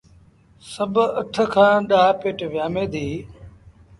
سڀ اٺ کآݩ ڏآه پيٽ ويٚآمي ديٚ۔